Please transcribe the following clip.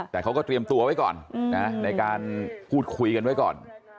แต่เขาก็เตรียมตัวไว้ก่อนในการพูดคุยกันไว้ก่อน